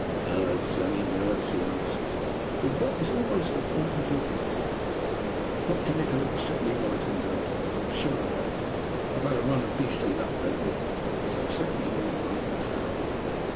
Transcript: "Nerves, only nerves," he answered, with what was almost a frightened look in his eyes. "Doctor Nikola will set me right in no time, I am sure of that. I have had a run of beastly luck lately, and it has upset me more than I can say."